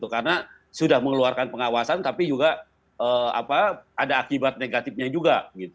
karena sudah mengeluarkan pengawasan tapi juga ada akibat negatifnya juga